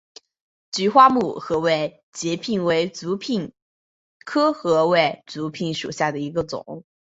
菊花木合位节蜱为节蜱科合位节蜱属下的一个种。